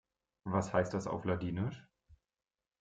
Was heißt das auf Ladinisch?